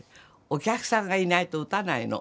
お客さんがいないと打たないの。